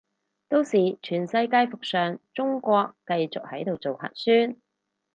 到時全世界復常，中國繼續喺度做核酸